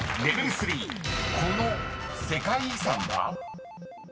．３この世界遺産は？］